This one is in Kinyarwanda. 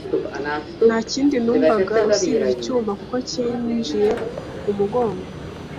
Nta kindi numvaga usibye icyuma kuko cyinjiye mu mugongo.